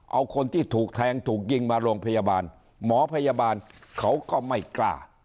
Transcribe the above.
เอาคนที่ถูกแทงถูกยิงมาโรงพยาบาลหมอพยาบาลเขาก็ไม่กล้า